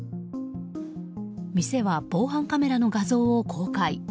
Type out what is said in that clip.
店は防犯カメラの画像を公開。